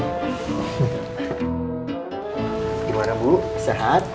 gimana bu sehat